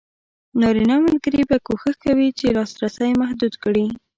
نارینه ملګري به کوښښ کوي چې لاسرسی محدود کړي.